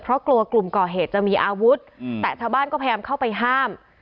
เพราะกลัวกลุ่มก่อเหตุจะมีอาวุธแต่ชาวบ้านก็พยายามเข้าไปห้าม